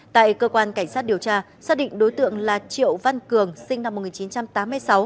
tại cơ quan cảnh sát điều tra xác định đối tượng là triệu văn cường sinh năm một nghìn chín trăm tám mươi sáu